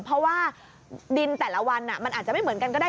เพราะว่าดินแต่ละวันมันอาจจะไม่เหมือนกันก็ได้